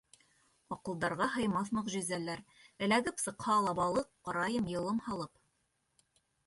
Аҡылдарға һыймаҫ мөғжизәләр Эләгеп сыҡһа ла балыҡ, Ҡарайым йылым һалып.